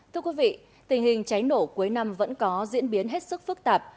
thưa quý vị tình hình cháy nổ cuối năm vẫn có diễn biến hết sức phức tạp